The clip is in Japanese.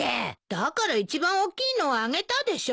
だから一番大きいのをあげたでしょ。